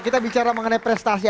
kita bicara mengenai prestasi